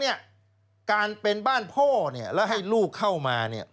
๒นี่การเป็นบ้านพ่อแล้วให้ลูกเข้ามา